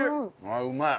うまい。